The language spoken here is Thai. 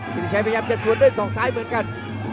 สินชัยพยายามจะสวนด้วยศอกซ้ายเหมือนกัน